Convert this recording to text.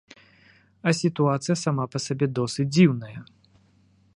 А сітуацыя сама па сабе досыць дзіўная.